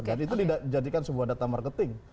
jadi itu dijadikan sebuah data marketing